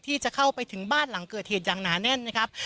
ที่จะเข้าไปถึงบ้านหลังเกิดเหตุอย่างหนาแน่นนะครับ